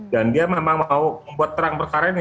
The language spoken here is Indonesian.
dan dia memang mau membuat terang perkara ini